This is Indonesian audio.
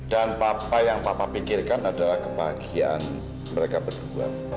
dan papa yang papa pikirkan adalah kebahagiaan mereka berdua